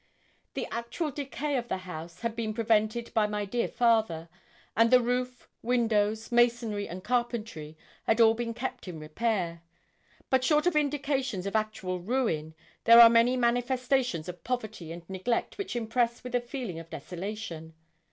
The actual decay of the house had been prevented by my dear father; and the roof, windows, masonry, and carpentry had all been kept in repair. But short of indications of actual ruin, there are many manifestations of poverty and neglect which impress with a feeling of desolation.